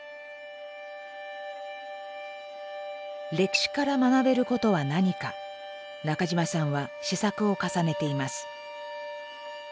歴史から学べることは何か中島さんは思索を重ねています。